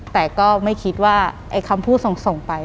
แต่ก็ไม่คิดว่าไอ้คำพูดส่งไป